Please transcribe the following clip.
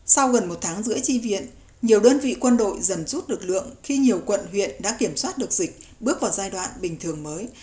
sau gần một tháng rưỡi chi viện nhiều đơn vị quân đội dần rút lực lượng khi nhiều quận huyện đã kiểm soát được dịch bước vào giai đoạn bình thường mới